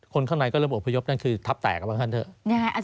คนเข้าในก็เริ่มอพยพนั่นคือทับแตกออกมาข้างเถอะ